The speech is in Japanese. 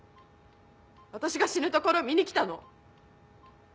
私が死ぬところ見に来たの？